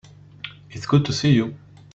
It's good to see you.